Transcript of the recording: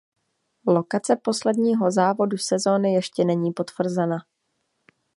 Lokace posledního závodu sezony ještě není potvrzena.